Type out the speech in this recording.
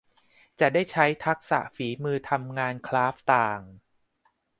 จะได้ใช้ทักษะฝีมือทำงานคราฟต์ต่าง